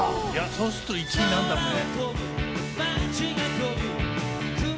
そうすると１位なんだろうね？